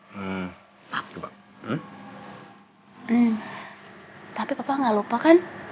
hmm tapi papa enggak lupa kan